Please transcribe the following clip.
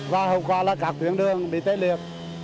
và hậu quả là các tuyến đường bị tê liệt